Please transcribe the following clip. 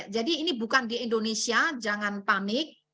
jadi ini bukan di indonesia jangan panik